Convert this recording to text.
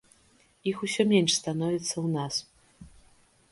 Іх усё менш становіцца ў нас.